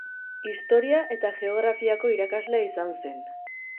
Historia eta geografiako irakaslea izan zen.